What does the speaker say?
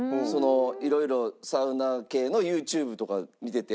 色々サウナ系のＹｏｕＴｕｂｅとか見てて。